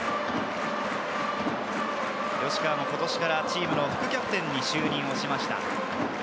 吉川も今年からチームの副キャプテンに就任しました。